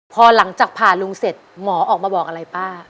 พอหลังจากผ่าลุงเสร็จหมอออกมาบอกอะไรป้า